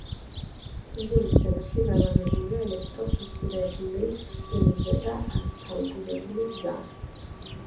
კუნძულის ცენტრში განლაგებულია ელექტროფიცირებული რკინიგზა და ასფალტირებული გზა.